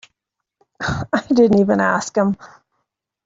I didn't even ask him.